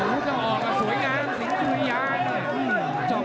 เอาวุทธ์ออกสวยงามสิงค์ชูญญาณ